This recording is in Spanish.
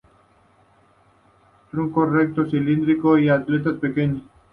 Tronco recto y cilíndrico, y aletas pequeñas.